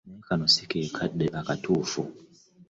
Naye kano si ke kadde akatuufu.